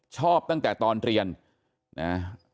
ชอบตั้งแต่ตอนเรียนนะ